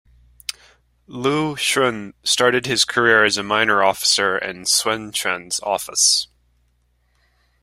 Lu Xun started his career as a minor officer in Sun Quan's office.